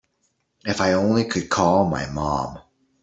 If I only could call my mom.